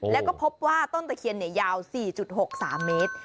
แล้วก็พบว่าต้นตะเคียนยาว๔๖๓เมตร